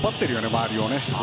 周りを。